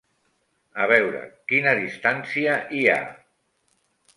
A veure, quina distància hi ha?